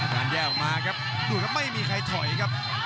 การแย่ออกมาครับดูครับไม่มีใครถอยครับ